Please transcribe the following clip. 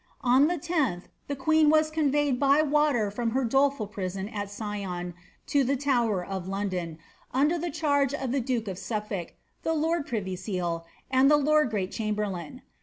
On the 10th, the queen was conveyed by water from her doleful pri son at Sion to the Tower of London, under the charge of the duke of Suffolk, the lord privy seal, and the lord great chamberlain.